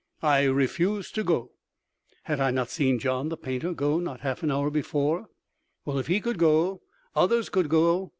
I refused to go. Had I not seen Gian the painter go not half an hour before? Well, if he could go, others could too.